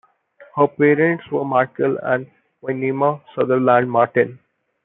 Her parents were Michael and Wynema Southerland Martin.